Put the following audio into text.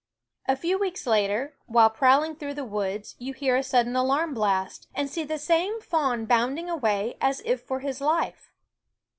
A few weeks later, while prowling through the woods, you hear a sudden alarm blast, and see the same fawn bounding away as if for his life.